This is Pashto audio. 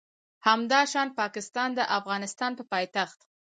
همداشان پاکستان د افغانستان په پایتخت